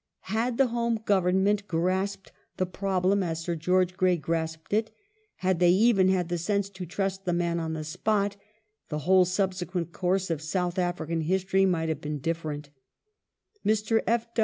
Had the Home Government grasped the problem as Sir George Grey grasped it, had they even had the sense to trust " the man on the spot," the whole subse quent course of South African history might have been different. Mr.